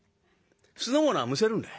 酢の物はむせるんだ。